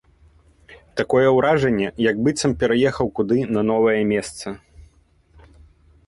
Такое ўражанне, як быццам пераехаў куды на новае месца.